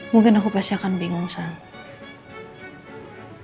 mungkin aku pasti akan bingung saya